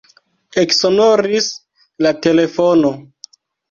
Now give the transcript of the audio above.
Eksonoris la telefono.